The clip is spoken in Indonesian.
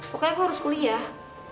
pokoknya aku harus kuliah